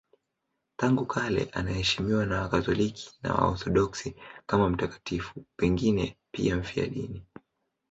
Tangu kale anaheshimiwa na Wakatoliki na Waorthodoksi kama mtakatifu, pengine pia mfiadini.